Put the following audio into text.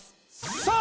さあ